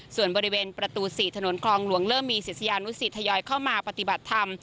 ส่วนบริเวณประตู๔ถนนคลองหลวงเริ่มมีศิษยานุสิตทยอยเข้ามาปฏิบัติธรรม